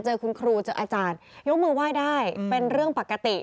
เจอคุณครูเจออาจารยกมือไหว้ได้เป็นเรื่องปกติ